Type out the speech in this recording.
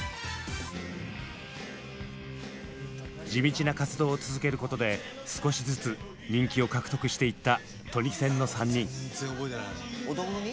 地道な活動を続けることで少しずつ人気を獲得していったトニセンの３人。